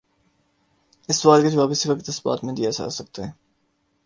اس سوال کا جواب اسی وقت اثبات میں دیا جا سکتا ہے۔